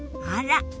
あら。